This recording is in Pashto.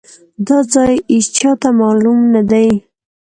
دا ځای ايچاته مالوم ندی.